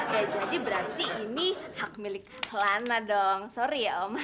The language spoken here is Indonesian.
ya jadi berarti ini hak milik lana dong sorry ya om